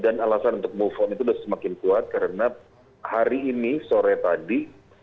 dan alasan untuk move on itu sudah semakin kuat karena hari ini sore tadi